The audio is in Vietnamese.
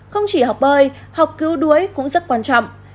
không chỉ học bơi học cứu đuối cũng rất quan trọng